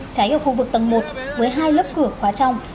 cháy ở khu vực tầng một với hai lớp cửa khóa trong